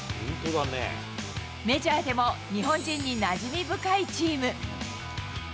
メジャーでも日本人になじみ深いチーム。